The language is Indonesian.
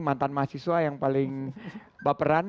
mantan mahasiswa yang paling baperan